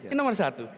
ini nomor satu